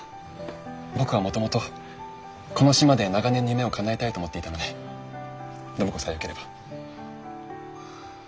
僕はもともとこの島で長年の夢をかなえたいと思っていたので暢子さえよければ。